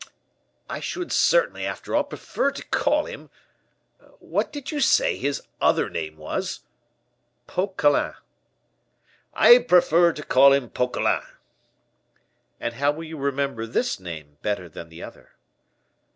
I should certainly, after all, prefer to call him what did you say his other name was?" "Poquelin." "I prefer to call him Poquelin." "And how will you remember this name better than the other?"